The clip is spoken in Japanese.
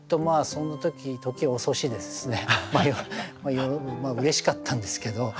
その時時遅しですしねまあうれしかったんですけど。